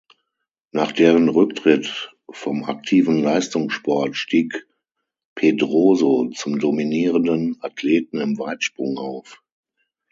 Nach deren Rücktritt vom aktiven Leistungssport stieg Pedroso zum dominierenden Athleten im Weitsprung auf.